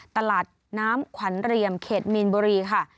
ตลาดน้ำขวัญเรียมเขตมีนบุรีค่ะ